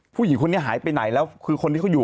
ผู้หญิงคนนี้หายไปไหนแล้วคือคนที่เขาอยู่